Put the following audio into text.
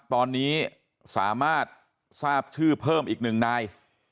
ตอนนี้สามารถทราบชื่อเพิ่มอีกหนึ่งนาย